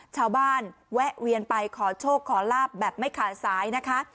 แวะเวียนไปขอโชคขอลาบแบบไม่ขาดสายนะคะ